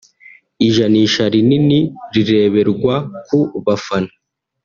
ijanisha rinini rireberwa ku bafana